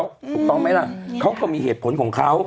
ถูกต้องไหมล่ะเขาก็มีเหตุผลของเขา